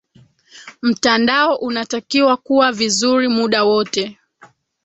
mtandao unatakiwa kuwa vizuri muda wote